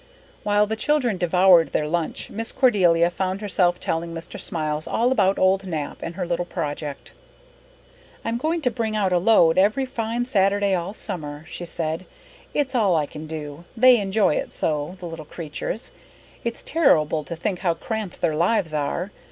While the children devoured their lunch Miss Cordelia found herself telling Mr. Smiles all about old Nap and her little project. "I'm going to bring out a load every fine Saturday all summer," she said. "It's all I can do. They enjoy it so, the little creatures. It's terrible to think how cramped their lives are.